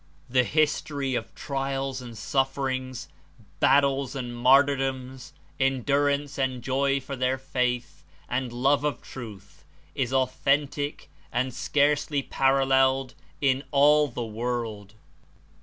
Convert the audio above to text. The history of trials and sufferings, battles and martyr doms, endurance and joy for their faith and love of Truth is authentic and scarcely paralleled in all the world.